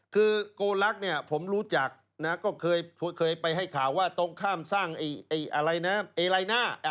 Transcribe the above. คือโกรักษ์ผมรู้จักก็เคยไปให้ข่าวว่าตรงข้ามสร้างไออะไรนะ